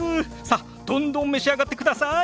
さっどんどん召し上がってください！